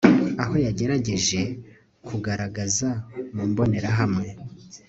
aho yagerageje kugaragaza mu mbonerahamwe